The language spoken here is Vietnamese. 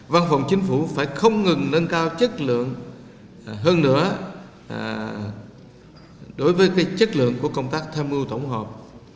văn phòng chính phủ phải không ngừng nâng cao chất lượng hơn nữa đối với chất lượng của công tác tham mưu tổng hợp